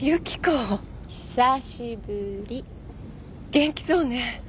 元気そうね。